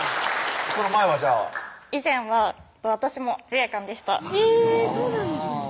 その前はじゃあ以前は私も自衛官でしたえそうなんですね